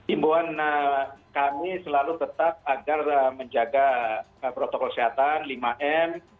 imbuan kami selalu tetap agar menjaga protokol kesehatan lima m